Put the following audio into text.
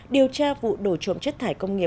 điều tra vụ đổ trộm chất thải công nghiệp